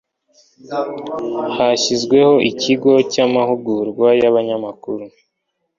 hashyizweho ikigo cy'amahugurwa y'abanyamakuru